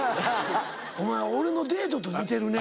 お前俺のデートと似てるね。